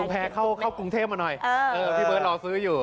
แพร่เข้ากรุงเทพมาหน่อยพี่เบิร์ตรอซื้ออยู่